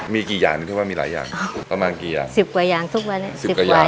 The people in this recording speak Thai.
มีกี่อย่างหนึ่งที่ว่ามีหลายอย่างประมาณกี่อย่างสิบกว่าอย่างทุกวันนี้สิบกว่าอย่าง